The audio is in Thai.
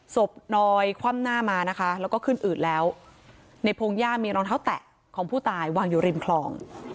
ศพนอนคว่ำหน้ามานะคะแล้วก็ขึ้นอืดแล้วในพงหญ้ามีรองเท้าแตะของผู้ตายวางอยู่ริมคลอง